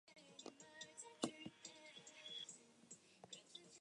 This provides two layers of negative regulation to prevent inappropriate cohesin cleavage.